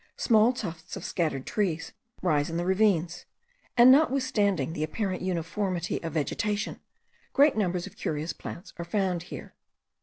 Small tufts of scattered trees rise in the ravines; and notwithstanding the apparent uniformity of vegetation, great numbers of curious plants* are found here.